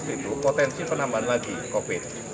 itu potensi penambahan lagi covid